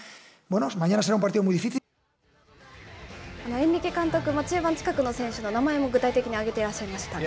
エンリケ監督、中盤近くの選手の名前も具体的に挙げてらっしゃいましたが。